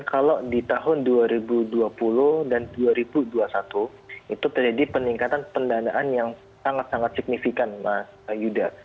kalau di tahun dua ribu dua puluh dan dua ribu dua puluh satu itu terjadi peningkatan pendanaan yang sangat sangat signifikan mas yuda